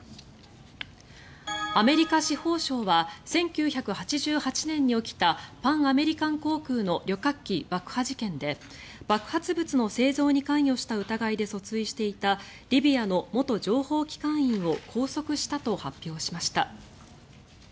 アメリカ司法省は１９８８年に起きたパンアメリカン航空の旅客機爆破事件で爆発物の製造に関与した疑いで訴追していたリビアの元情報機関員を拘束したと発表しました。